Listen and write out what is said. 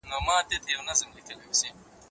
زکات د مال برکت دی.